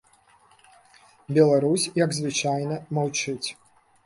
Беларусь, як звычайна, маўчыць.